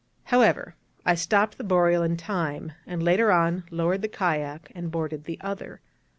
However, I stopped the Boreal in time, and later on lowered the kayak, and boarded the other.